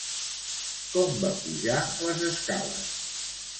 Com va pujar les escales?